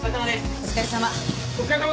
お疲れさま。